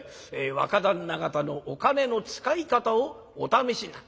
「若旦那方のお金の使い方をお試しになる」。